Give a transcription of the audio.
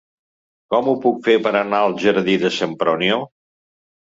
Com ho puc fer per anar al jardí de Sempronio?